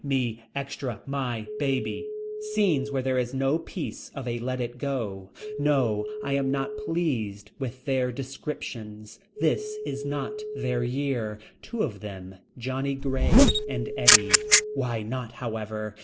Me. Extra. My. Baby. Scenes where there is no piece of a let it go. No I am not pleased with their descriptions. This is not their year. Two of them. Johnny Grey and Eddy. Why not however.